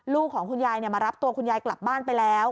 ของคุณยายมารับตัวคุณยายกลับบ้านไปแล้ว